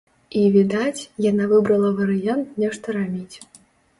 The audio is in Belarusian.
І відаць, яна выбрала варыянт нешта рабіць.